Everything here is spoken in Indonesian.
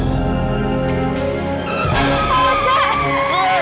tempat ini ja